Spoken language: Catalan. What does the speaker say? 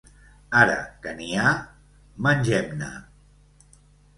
Ara que n'hi ha, mengem-ne.